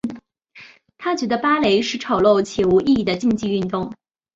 她觉得芭蕾是丑陋且无意义的竞技运动。